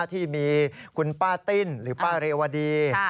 ที่มีคุณป้าติ้นหรือป้าเรวดี